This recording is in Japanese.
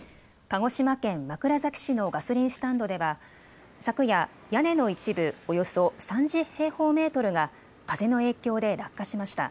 鹿児島県枕崎市のガソリンスタンドでは昨夜、屋根の一部およそ３０平方メートルが風の影響で落下しました。